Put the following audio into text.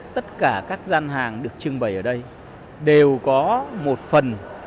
tất cả các gian hàng được trưng bày ở đây đều có một phần